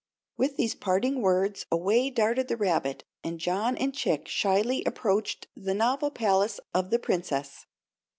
With these parting words away darted the rabbit, and John and Chick shyly approached the novel palace of the Princess.